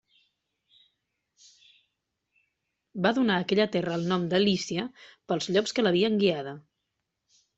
Va donar a aquella terra el nom de Lícia pels llops que l'havien guiada.